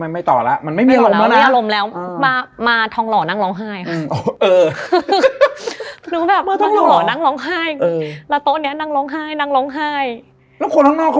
ไม่ต่อแล้วมันไม่มีอารมณ์แล้วนะ